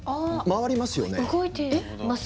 回りますね。